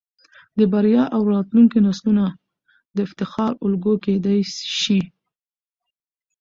د بريا او راتلونکو نسلونه د افتخار الګو کېدى شي.